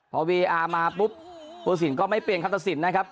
พอวีเออร์มาปุ๊บภูศิษฐ์ก็ไม่เปลี่ยนเคราะห์ตัวสินนะครับ